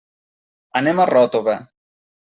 Anem a Ròtova.